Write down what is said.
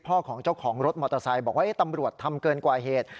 ของเจ้าของรถมอเตอร์ไซค์บอกว่าตำรวจทำเกินกว่าเหตุ